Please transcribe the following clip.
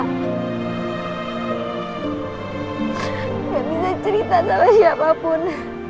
aku gak bisa cerita sama siapapun